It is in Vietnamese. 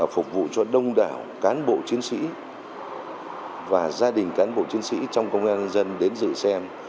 phục vụ cho đông đảo cán bộ chiến sĩ và gia đình cán bộ chiến sĩ trong công an nhân dân đến dự xem